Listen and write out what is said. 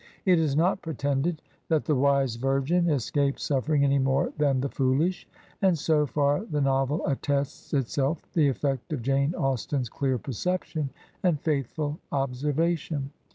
It is not pretended that the wise virgin escapes suffering any more than the foolish, and so far the novel attests itself the effect of Jane Austen^s clear perception and faithful observation.